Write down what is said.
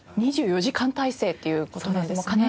２４時間体制っていう事なんですよね。